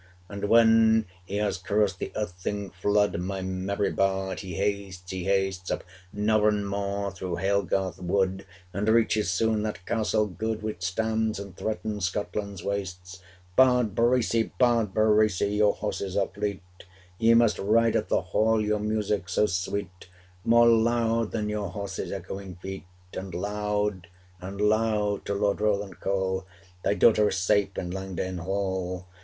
'And when he has crossed the Irthing flood, My merry bard! he hastes, he hastes Up Knorren Moor, through Halegarth Wood, 495 And reaches soon that castle good Which stands and threatens Scotland's wastes. 'Bard Bracy! bard Bracy! your horses are fleet, Ye must ride up the hall, your music so sweet, More loud than your horses' echoing feet! 500 And loud and loud to Lord Roland call, Thy daughter is safe in Langdale hall!